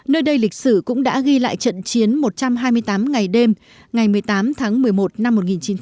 nơi đây lịch sử cũng đã ghi lại trận chiến một trăm hai mươi tám ngày đêm ngày một mươi tám tháng một mươi một năm một nghìn chín trăm bảy mươi